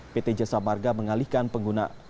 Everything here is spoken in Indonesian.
pt jasa marga mengalihkan pengguna